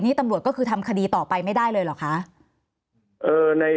นี่ตำรวจก็คือทำคดีต่อไปไม่ได้เลยเหรอคะ